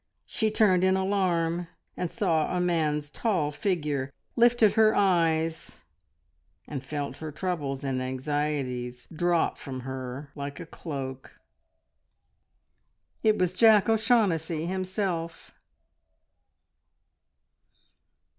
She turned in alarm and saw a man's tall figure, lifted her eyes, and felt her troubles and anxieties drop from her like a cloak. It was Jack O'Shaughnessy himself!